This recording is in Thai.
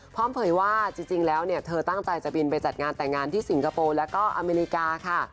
เผยว่าจริงแล้วเนี่ยเธอตั้งใจจะบินไปจัดงานแต่งงานที่สิงคโปร์แล้วก็อเมริกาค่ะ